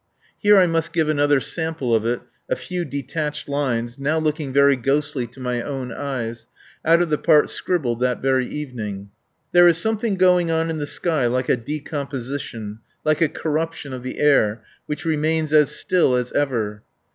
Here I must give another sample of it, a few detached lines, now looking very ghostly to my own eyes, out of the part scribbled that very evening: "There is something going on in the sky like a decomposition; like a corruption of the air, which remains as still as ever.